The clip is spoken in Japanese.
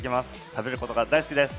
食べることが大好きです。